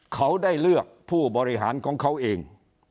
เขาได้เลือกผู้บริหารของเขาเอง